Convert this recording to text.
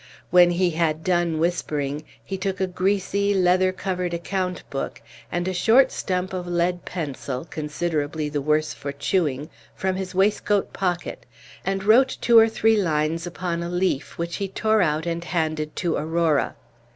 When he had done whispering, he took a greasy, leather covered account book, and a short stump of lead pencil, considerably the worse for chewing, from his waistcoat pocket, and wrote two or three lines upon a leaf, which he tore out and handed to Aurora.